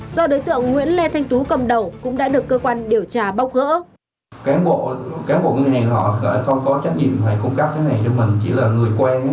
do đối tượng nguyễn lê thanh tú cầm đầu cũng đã được cơ quan điều tra bóc gỡ